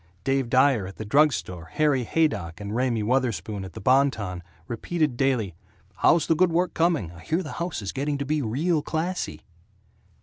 Dave Dyer at the drug store, Harry Haydock and Raymie Wutherspoon at the Bon Ton, repeated daily, "How's the good work coming? I hear the house is getting to be real classy."